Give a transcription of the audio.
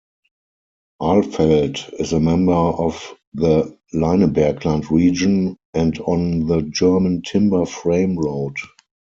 Alfeld is a member of the Leinebergland region and on the German Timber-Frame Road.